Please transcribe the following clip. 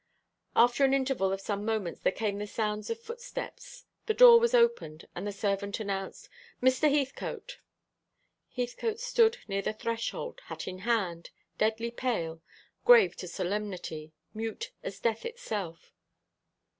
After an interval of some moments there came the sounds of footsteps, the door was opened, and the servant announced, "Mr. Heathcote." Heathcote stood near the threshold, hat in hand, deadly pale, grave to solemnity, mute as death itself.